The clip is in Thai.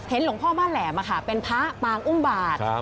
เห็นหลวงพ่อมาแหลมเป็นพระปางอุ้มบาท